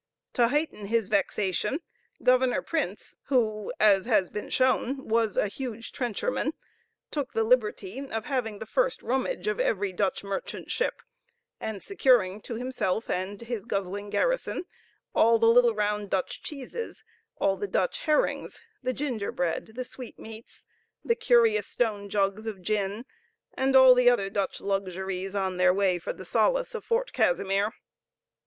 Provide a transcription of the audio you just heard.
To heighten his vexation, Governor Printz, who, as has been shown, was a huge trencherman, took the liberty of having the first rummage of every Dutch merchant ship, and securing to himself and his guzzling garrison all the little round Dutch cheeses, all the Dutch herrings, the gingerbread, the sweetmeats, the curious stone jugs of gin, and all the other Dutch luxuries, on their way for the solace of Fort Casimir.